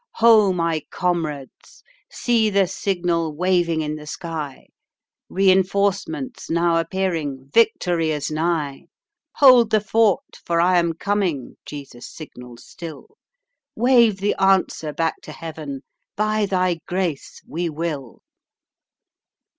"Ho, my comrades! see the signal Waving in the sky; Reinforcements now appearing, Victory is nigh! 'Hold the fort, for I am coming,' Jesus signals still; Wave the answer back to Heaven, 'By Thy grace we Will.'"